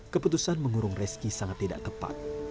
keputusan mengurung reski sangat tidak tepat